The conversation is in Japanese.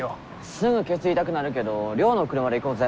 すぐケツ痛くなるけどリョウの車で行こうぜ。